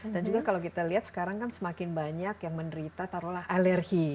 dan juga kalau kita lihat sekarang kan semakin banyak yang menderita alergi